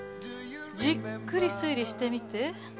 じっくり推理してみて。